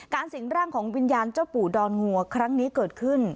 สิ่งร่างของวิญญาณเจ้าปู่ดอนงัวครั้งนี้เกิดขึ้น